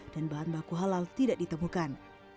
dan bahan baku halal tidak ditemukan